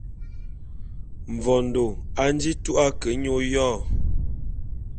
Mvondô a nji tu’a ke nya oyô.